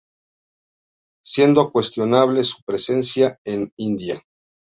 Siendo cuestionable su presencia en India.